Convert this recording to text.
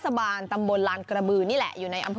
ตามไปดูกันว่าเขามีการแข่งขันอะไรที่เป็นไฮไลท์ที่น่าสนใจกันค่ะ